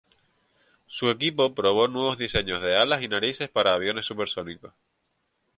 Su equipo probó nuevos diseños de alas y narices para aviones supersónicos.